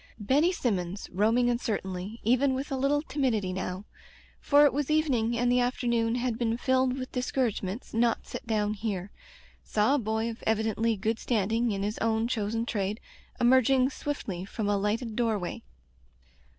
Benny Sinunons, roaming uncertainly, even with a little timidity now — for it was evening and the afternoon had been filled with discouragements not set down here — saw a boy of evidently good standing in his own chosen trade, emerging swiftly from a lighted door way.